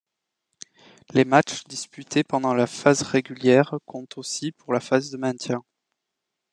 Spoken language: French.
Les matchs disputés pendant la phase régulière comptent aussi pour la phase de maintien.